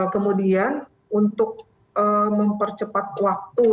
kemudian untuk mempercepat waktu